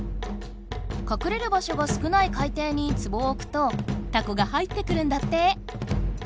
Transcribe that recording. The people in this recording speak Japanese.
かくれる場しょが少ない海ていにツボをおくとタコが入ってくるんだって！